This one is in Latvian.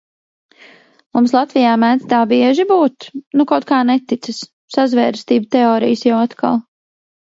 Mums Latvijā mēdz tā bieži būt? Nu kaut kā neticas. Sazvērestību teorijas jau atkal.